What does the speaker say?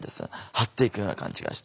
張っていくような感じがして。